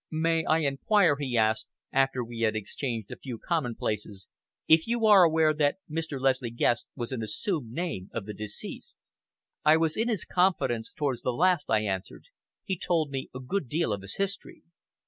"May I inquire," he asked, after we had exchanged a few commonplaces, "if you are aware that Mr. Leslie Guest was an assumed name of the deceased?" "I was in his confidence towards the last," I answered. "He told me a good deal of his history."